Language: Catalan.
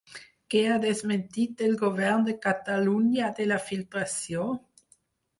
Què ha desmentit el govern de Catalunya de la filtració?